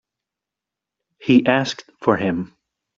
He asked for him.